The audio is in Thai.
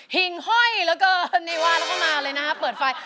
หิ่งห้อยแล้วก็นีวาแล้วก็มาเลยนะฮะเปิดไฟ